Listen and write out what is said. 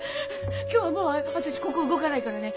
今日はもう私ここ動かないからね。